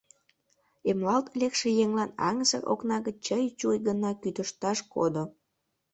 Эмлалт лекше еҥлан аҥысыр окна гыч чый-чуй гына кӱтышташ кодо.